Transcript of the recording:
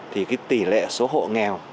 thì tỷ lệ số hộ nghèo